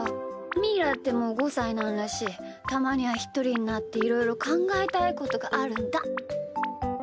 みーだってもう５さいなんだしたまにはひとりになっていろいろかんがえたいことがあるんだ。